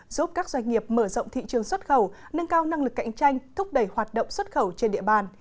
giúp các doanh nghiệp mở rộng thị trường xuất khẩu nâng cao năng lực cạnh tranh thúc đẩy hoạt động xuất khẩu trên địa bàn